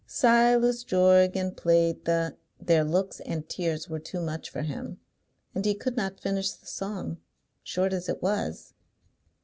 Silas Jorgan Played the Their looks and tears were too much for him, and he could not finish the song, short as it was.